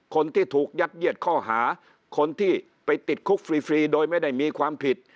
คนที่ถูกยัดเยียดข้อหาคนที่ไปติดคุกฟรีโดยไม่ได้มีความผิด